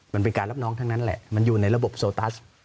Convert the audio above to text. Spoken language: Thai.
มันเป็นการรับน้องทั้งนั้นแหละมันอยู่ในระบบโซตัส